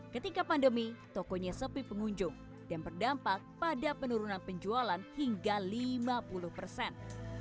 ketika pandemi tokonya sepi pengunjung dan berdampak pada penurunan penjualan hingga lima puluh persen